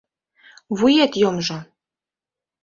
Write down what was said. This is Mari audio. Вует йомжо!